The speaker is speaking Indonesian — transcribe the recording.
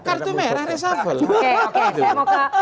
kartu merah resafel